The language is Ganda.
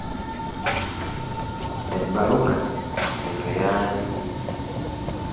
Ebbaluna ano y'ani?